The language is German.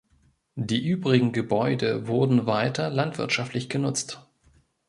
Die übrigen Gebäude wurden weiter landwirtschaftlich genutzt.